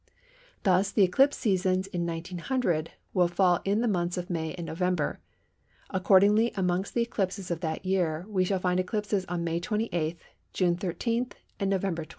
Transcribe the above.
Thus the eclipse seasons in 1900 will fall in the months of May and November; accordingly amongst the eclipses of that year we shall find eclipses on May 28, June 13, and November 22.